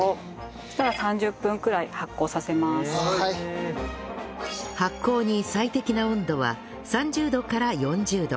そしたら発酵に最適な温度は３０度から４０度